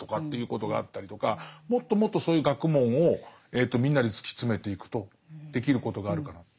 もっともっとそういう学問をみんなで突き詰めていくとできることがあるかなって。